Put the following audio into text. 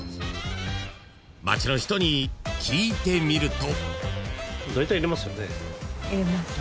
［町の人に聞いてみると］